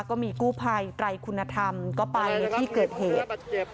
ก็มีกู้ภัยไตรคุณธรรมก็ไปที่เกิดเหตุ